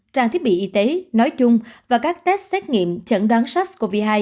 trang thiết bị y tế nói chung và các test xét nghiệm chẩn đoán sars cov hai